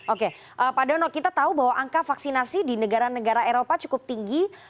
oke pak dono kita tahu bahwa angka vaksinasi di negara negara eropa cukup tinggi